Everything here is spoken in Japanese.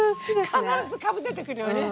必ずかぶ出てくるよね。